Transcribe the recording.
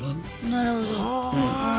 なるほど。